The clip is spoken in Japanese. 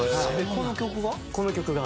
この曲が？